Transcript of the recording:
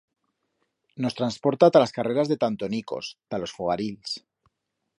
Nos transporta ta las carreras de tantonicos, ta los fogarils...